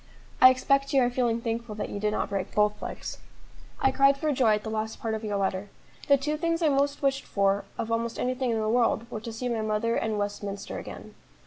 I expect you are feeling thankful that you did not break both legs. "I cried for joy at the last part of your letter. The two things I most wished for of almost anything in the world were to see my mother and Westminster again.